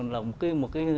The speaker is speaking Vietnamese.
là một cái